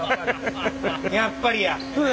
やっぱりや。